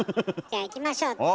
じゃあいきましょう。